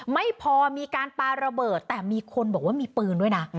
ไม่พอมีการปาระเบิดแต่มีคนบอกว่ามีปืนด้วยนะ